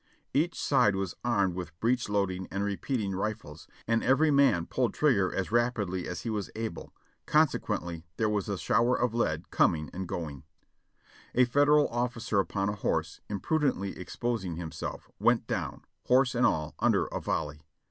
Each side was armed with breech loading and repeating rifles, and every man pulled trigger as rapidly as he was able; conse quently there was a shower of lead coming and going, A Fed eral officer upon a horse, imprudently exposing himself, went down, horse and all, under a volley.